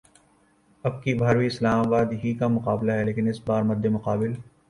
اب کی بار بھی اسلام آباد کا ہی مقابلہ ہے لیکن اس بار مدمقابل